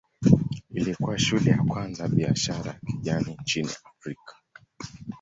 Ilikuwa shule ya kwanza ya biashara ya kijani nchini Afrika.